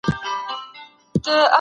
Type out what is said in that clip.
طبیعي پیښو ته چمتووالی ولرئ.